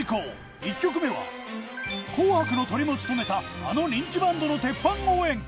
１曲目は、紅白のトリも務めたあの人気バンドのてっぱん応援歌。